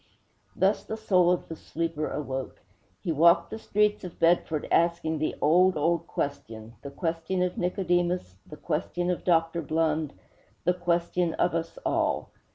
Thus the soul of the sleeper awoke. He walked the streets of Bedford asking the old, old question, the question of Nicodemus, the question of Dr. Blund, the question of us all.